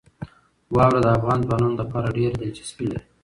واوره د افغان ځوانانو لپاره ډېره دلچسپي لري.